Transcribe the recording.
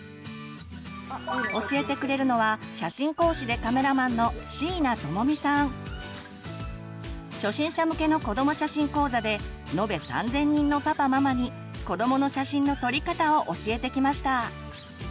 教えてくれるのは初心者向けの子ども写真講座で延べ３，０００人のパパママに子どもの写真の撮り方を教えてきました。